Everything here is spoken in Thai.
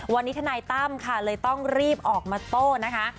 วันนี้ทนายตั้มค่ะเลยต้องรีบออกมาโต้นะคะ